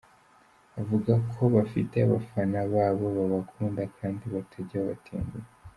Avuga ko bo bafite abafana babo babakunda kandi batajya babatenguha.